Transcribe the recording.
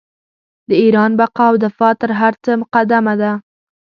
د ایران بقا او دفاع تر هر څه مقدمه ده.